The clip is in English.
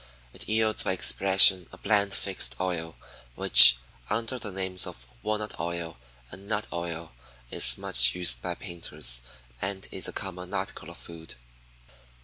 It yields by expression a bland fixed oil, which, under the names of "walnut oil" and "nut oil," is much used by painters and is a common article of food.